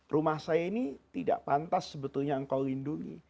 rumah saya ini tidak pantas sebetulnya engkau lindungi